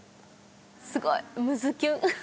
すごいむずキュン。